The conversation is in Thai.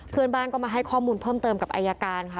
เพื่อนบ้านก็มาให้ข้อมูลเพิ่มเติมกับอายการค่ะ